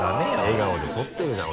笑顔で撮ってるじゃん